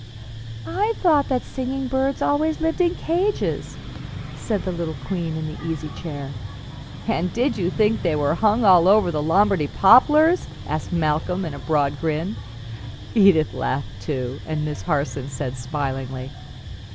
"I thought that singing birds always lived in cages," said the little queen in the easy chair. "And did you think they were hung all over the Lombardy poplars?" asked Malcolm, in a broad grin. Edith laughed too, and Miss Harson said smilingly.